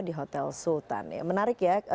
di hotel sultan ya menarik ya